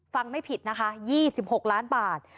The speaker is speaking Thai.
ไม่ผิดนะคะ๒๖ล้านบาท